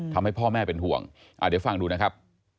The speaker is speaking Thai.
ทำให้พ่อแม่เป็นห่วงเดี๋ยวฟังดูนะครับ